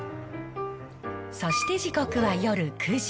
そして時刻は夜９時。